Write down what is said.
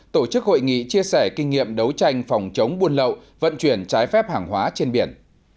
tổ chức hội nghị chia sẻ kinh nghiệm đấu tranh phòng chống buôn lậu vận chuyển trái phép hàng hóa trên biển